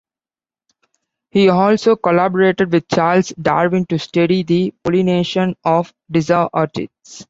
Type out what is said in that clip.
He also collaborated with Charles Darwin to study the pollination of "Disa" orchids.